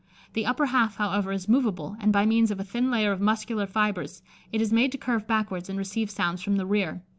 The upper half, however, is moveable, and by means of a thin layer of muscular fibres, it is made to curve backwards and receive sounds from the rear.